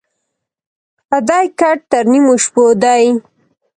پردى کټ تر نيمو شپو دى.